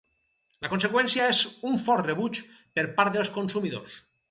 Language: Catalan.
La conseqüència és un fort rebuig per part dels consumidors.